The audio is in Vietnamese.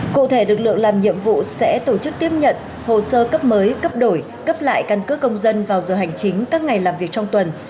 cụ thể lực lượng làm nhiệm vụ sẽ tổ chức tiếp nhận hồ sơ cấp mới cấp đổi cấp lại căn cước công dân vào giờ hành chính các ngày làm việc trong tuần